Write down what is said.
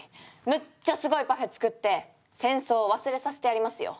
むっちゃすごいパフェ作って戦争を忘れさせてやりますよ。